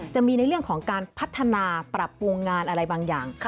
จะมีในเรื่องของการพัฒนาปรับปรุงงานอะไรบางอย่าง